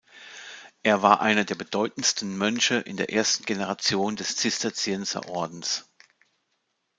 Er war einer der bedeutendsten Mönche in der ersten Generation des Zisterzienserordens.